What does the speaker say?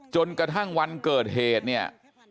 จนกระทั่งวันเกิดเหตุเนี่ย